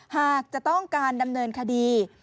หากจะต้องการดำเนินคดี